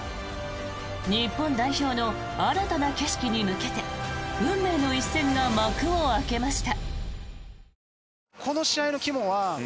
日本代表の新たな景色に向けて運命の一戦が幕を開けました。